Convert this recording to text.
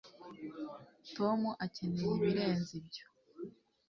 tom akeneye ibirenze ibyo